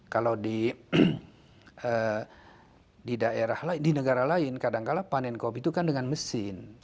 kalau di daerah lain di negara lain kadangkala panen kopi itu kan dengan mesin